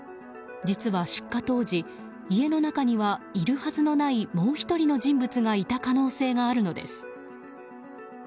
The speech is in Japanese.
実は、出火当時家の中に入るはずのないもう１人の人物がいた可能性があるのです。